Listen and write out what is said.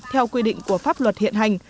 theo quy định của pháp luật hiện hành